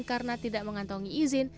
karena tidak mengantongi izin